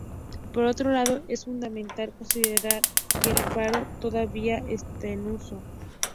Por otro lado, es fundamental considerar que el faro todavía está en uso.